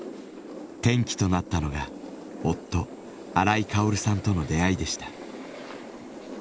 転機となったのが夫荒井香織さんとの出会いでした。